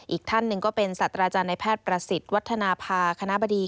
อีกท่านหนึ่งก็เป็นสัตว์อาจารย์ในแพทย์ประสิทธิ์วัฒนภาคณะบดี